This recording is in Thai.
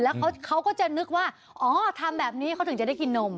แล้วเขาก็จะนึกว่าอ๋อทำแบบนี้เขาถึงจะได้กินนม